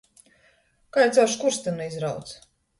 Kai caur škūrstynu izrauts.